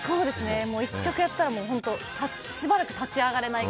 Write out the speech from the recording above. １曲やったら本当にしばらく立ち上がれない。